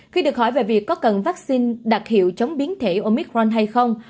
khi được hỏi về việc có cần vaccine đặc hiệu chống biến thể omicron hay không